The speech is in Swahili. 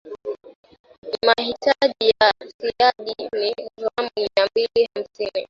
mahitaji ya siagi ni gram mia mbili hamsini